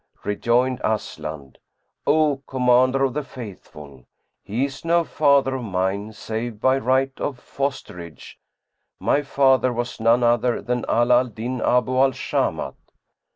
Rejoined Aslan, "O Commander of the Faithful, he is no father of mine, save by right of fosterage; my father was none other than Ala al Din Abu al Shamat."